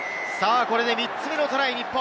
これで３つ目のトライ、日本。